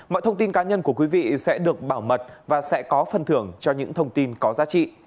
mọi thông tin cá nhân của quý vị sẽ được bảo mật và sẽ có phần thưởng cho những thông tin có giá trị